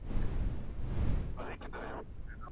د مرغیو ځالې مه ورانوئ.